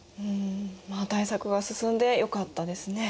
まあ対策が進んでよかったですね。